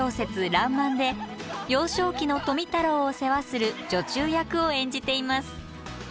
「らんまん」で幼少期の富太郎を世話する女中役を演じています。